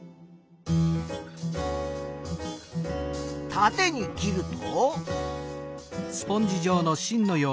たてに切ると。